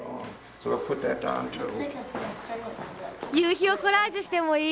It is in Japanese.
夕日をコラージュしてもいい。